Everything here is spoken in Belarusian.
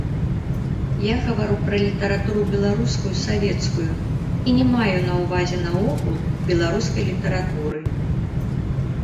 Я гавару пра літаратуру беларускую савецкую і не маю на ўвазе наогул беларускай літаратуры.